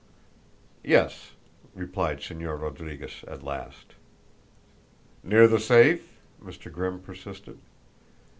"Yes," replied Señor Rodriguez at last. "Near the safe?" Mr. Grimm persisted.